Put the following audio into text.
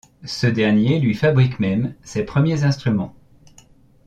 Ce dernier lui fabrique même ses premiers instruments.